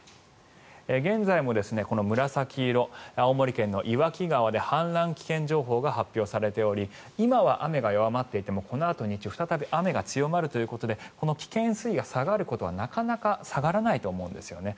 現在も紫色青森県の岩木川で氾濫危険情報が発表されており今は雨が弱まっていてもこのあと再び雨が強まるということで危険水位が下がることはなかなか下がらないと思うんですよね。